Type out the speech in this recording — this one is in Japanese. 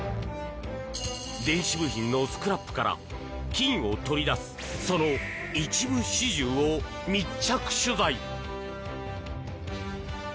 電子部品のスクラップから金を取り出すその一部始終を密着取材！